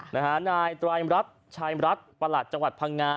นะฮะนายตรายรัฐชายรัฐประหลัดจังหวัดพังงา